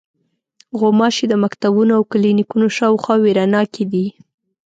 غوماشې د مکتبونو او کلینیکونو شاوخوا وېره ناکې دي.